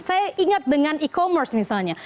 saya ingat dengan e commerce misalnya